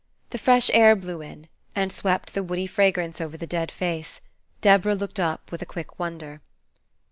The fresh air blew in, and swept the woody fragrance over the dead face, Deborah looked up with a quick wonder.